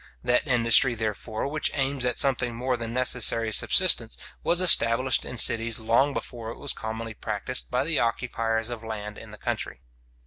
That industry, therefore, which aims at something more than necessary subsistence, was established in cities long before it was commonly practised by the occupiers of land in the country.